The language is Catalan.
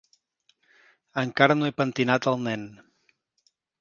Encara no he pentinat el nen.